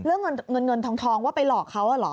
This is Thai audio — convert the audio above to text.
เรื่องเงินเงินทองว่าไปหลอกเขาเหรอ